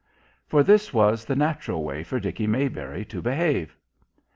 For this was the natural way for Dickie Maybury to behave.